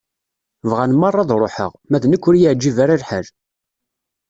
Bɣan merra ad ruḥeɣ, ma d nekk ur y-iεǧib ara lḥal.